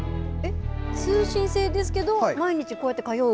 通信制ですけど毎日こうやって通う。